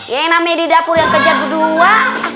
yang namanya di dapur yang kejar berdua